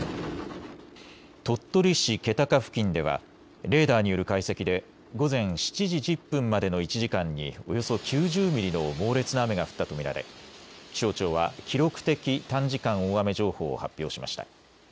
鳥取市気高付近ではレーダーによる解析で午前７時１０分までの１時間におよそ９０ミリの猛烈な雨が降ったと見られ気象庁は記録的短時間大雨情報を発表しました。